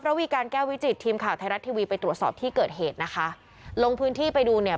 วีการแก้ววิจิตทีมข่าวไทยรัฐทีวีไปตรวจสอบที่เกิดเหตุนะคะลงพื้นที่ไปดูเนี่ย